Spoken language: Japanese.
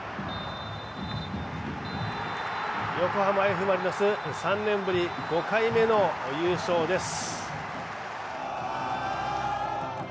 横浜Ｆ・マリノス、３年ぶり５回目の優勝です。